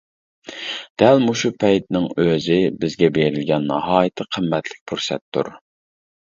دەل مۇشۇ پەيتنىڭ ئۆزى بىزگە بېرىلگەن ناھايىتى قىممەتلىك پۇرسەتتۇر.